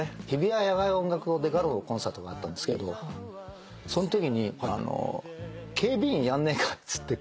日比谷野外音楽堂でガロのコンサートがあったんですけど「そのときに警備員やんねえか？」